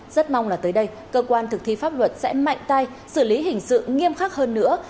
rất mong là tới đây cơ quan thực thi pháp luật sẽ mạnh tay xử lý hình sự nghiêm khắc hơn nữa